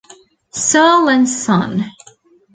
Searle and Son.